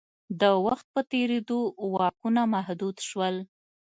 د وخت په تېرېدو واکونه محدود شول.